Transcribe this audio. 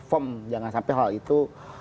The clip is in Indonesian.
firm jangan sampai hal itu